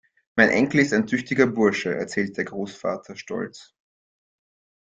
Mein Enkel ist ein tüchtiger Bursche, erzählte der Großvater stolz.